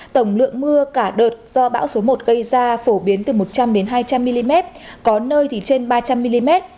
tổng lượng mưa cả đợt do bão số một gây ra phổ biến từ một trăm linh hai trăm linh mm có nơi thì trên ba trăm linh mm